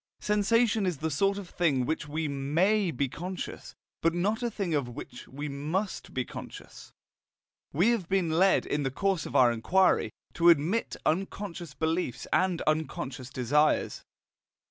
Sensation is the sort of thing of which we MAY be conscious, but not a thing of which we MUST be conscious. We have been led, in the course of our inquiry, to admit unconscious beliefs and unconscious desires.